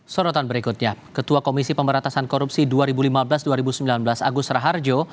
sorotan berikutnya ketua komisi pemberatasan korupsi dua ribu lima belas dua ribu sembilan belas agus raharjo